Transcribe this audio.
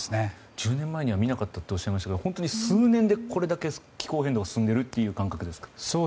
１０年前には見なかったとおっしゃいましたが本当に数年でこれだけ気候変動が進んでいるという感覚ですか。